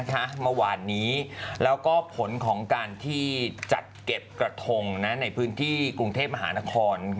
ได้ว่าเด็กแล้วก็ตัวมันใหญ่ผู้ชาย